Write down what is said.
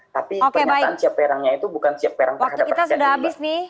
tapi pernyataan siap perangnya itu bukan siap perang terhadap rakyat yang beribadah